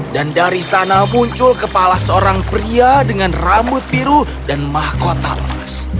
dan dari sana muncul kepala seorang pria dengan rambut biru dan mahkota emas